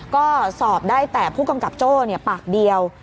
ก็สอบได้แต่ผู้กำกับโจ้ปากเดียว